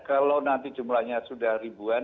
kalau nanti jumlahnya sudah ribuan